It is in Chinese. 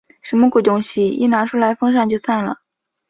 什么鬼东西？一拿出来风扇就散了。